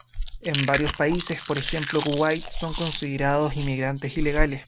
En varios países, por ejemplo Kuwait, son considerados inmigrantes ilegales.